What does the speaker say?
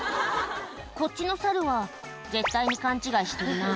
こっちの猿は絶対に勘違いしてるな